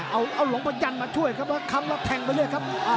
เอาหลวงประยันมาช่วยครับแล้วค้ำแล้วแทงไปเรื่อยครับ